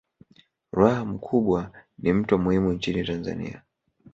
Ruaha Mkubwa ni mto muhimu nchini Tanzania